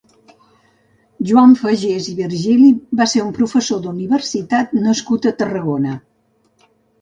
Joan Fagés i Virgili va ser un professor d'universitat nascut a Tarragona.